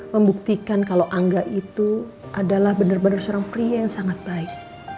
membuktikan kalau angga itu adalah benar benar seorang pria yang sangat baik